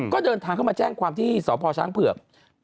ก็เดินทางเข้ามาแจ้งความที่สพช้างเผือก